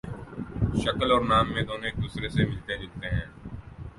شکل اور نام میں دونوں ایک دوسرے سے ملتے جلتے ہیں